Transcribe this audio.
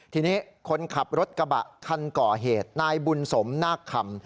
ทีนี้คนขับรถกระบะคันก่อเหตุนายบุญสมนาคคำ